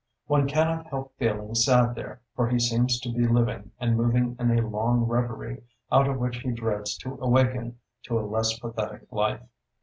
One cannot help feeling sad there, for he seems to be living and moving in a long reverie, out of which he dreads to awaken to a less pathetic life.